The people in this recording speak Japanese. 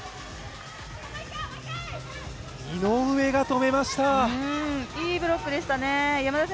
井上が止めました。